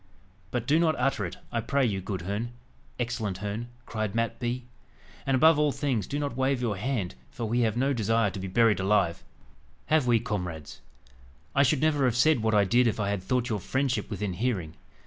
"But do not utter it, I pray you, good Herne excellent Herne," cried Mat Bee. "And, above all things, do not wave your hand, for we have no desire to be buried alive, have we, comrades? I should never have said what I did if I had thought your friendship within hearing."